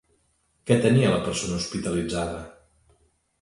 Què tenia la persona hospitalitzada?